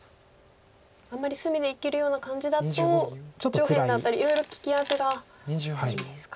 あんまり隅で生きるような感じだと上辺だったりいろいろ利き味があるんですか。